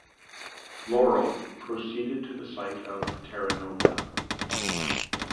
"Laurel" proceeded to the site of "Terra Nova".